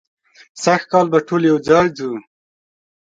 سږ کال به ټول یو ځای ځو.